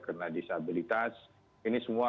kena disabilitas ini semua